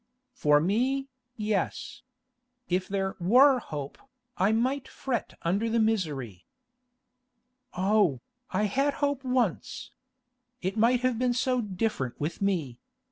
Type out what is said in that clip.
'For me, yes. If there were hope, I might fret under the misery.' 'Oh, I had hope once! It might have been so different with me.